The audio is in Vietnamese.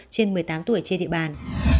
trên một mươi tám tuổi trên địa bàn